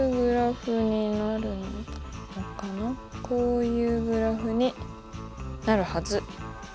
こういうグラフになるはず。